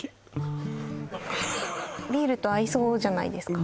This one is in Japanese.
ビールと合いそうじゃないですか？